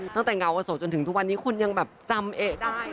ตั้งแต่เงาวโสกจนถึงทุกวันนี้คุณยังแบบจำเอ๊ย